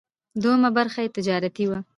دوهمه برخه یې تجارتي وه.